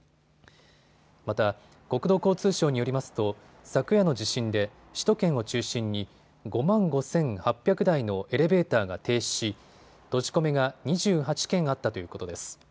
また国土交通省によりますと昨夜の地震で首都圏を中心に５万５８００台のエレベーターが停止し閉じ込めが２８件あったということです。